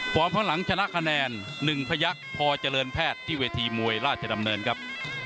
ข้างหลังชนะคะแนน๑พยักษ์พอเจริญแพทย์ที่เวทีมวยราชดำเนินครับ